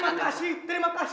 terima kasih terima kasih pak kiai